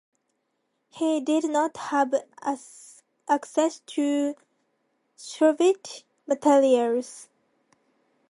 He did not have access to Soviet materials.